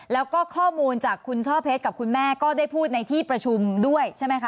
แล้วก็ข้อมูลจากคุณช่อเพชรกับคุณแม่ก็ได้พูดในที่ประชุมด้วยใช่ไหมคะ